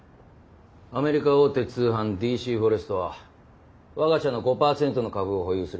アメリカ大手通販「ＤＣフォレスト」は我が社の５％の株を保有する会社だ。